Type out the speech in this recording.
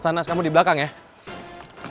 sanas kamu di belakang ya